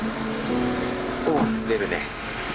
お滑るね。